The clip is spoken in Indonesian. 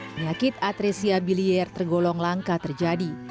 penyakit atresia bilier tergolong langka terjadi